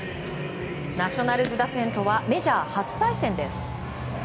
ナショナルズ打線とはメジャー初対戦です。